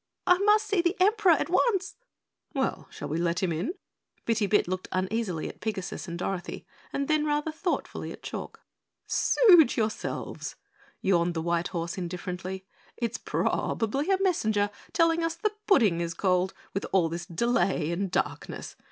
"I must see the Emperor at once." "Well, shall we let him in?" Bitty Bit looked uneasily at Pigasus and Dorothy and then rather thoughtfully at Chalk. "Suit yourselves," yawned the white horse indifferently. "It's probably a messenger telling us the pudding is cold with all this delay and darkness.